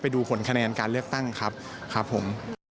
ไปดูขนแค่การเลือกตั้งครับครับผม